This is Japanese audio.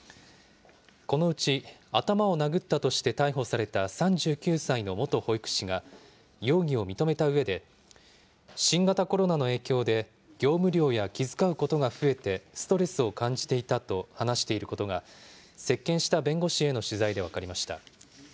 このうち頭を殴ったとして逮捕された３９歳の元保育士が、容疑を認めたうえで、新型コロナの影響で業務量や気遣うことが増えて、ストレスを感じていたと話していることが、接見した弁護士への取材で分かりました。